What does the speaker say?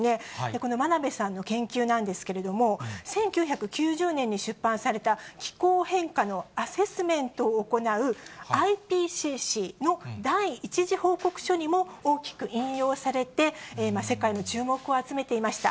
この真鍋さんの研究なんですけれども、１９９０年に出版された、気候変化のアセスメントを行うＩＰＣＣの第１次報告書にも大きく引用されて、世界の注目を集めていました。